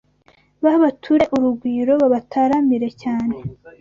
Babature urugwiro Babataramire cyane